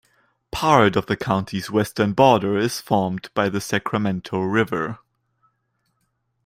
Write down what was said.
Part of the county's western border is formed by the Sacramento River.